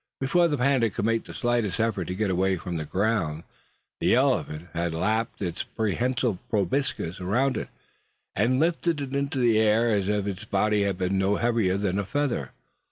Before the panda could make the slightest effort to get away from the ground, the elephant had lapped its prehensile proboscis around it, and lifted it into the air as if its body had been no heavier than a feather.